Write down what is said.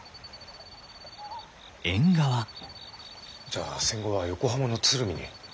じゃあ戦後は横浜の鶴見に？